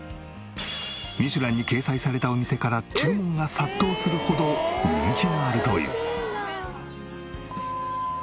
『ミシュラン』に掲載されたお店から注文が殺到するほど人気があるという。